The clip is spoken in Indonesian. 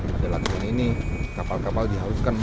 pada latihan ini kapal kapal dihaluskan